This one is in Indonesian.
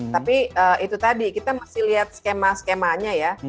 tapi itu tadi kita masih lihat skema skemanya ya